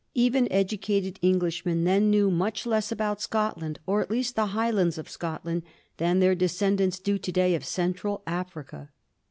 Even educated Englishmen then knew much less about Scotland, or at least the Highlands of Scotland, than their descendants do to day of Central Africa.